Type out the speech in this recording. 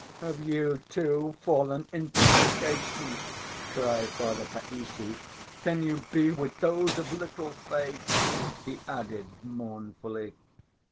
"Have you, too, fallen into temptation?" cried Father Païssy. "Can you be with those of little faith?" he added mournfully.